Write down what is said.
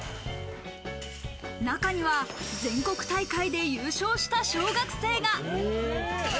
中には全国大会で優勝した小学生が。